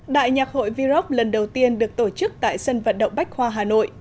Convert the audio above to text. đại nhạc hội v rock lần đầu tiên được tổ chức tại sân vận động bách khoa hà nội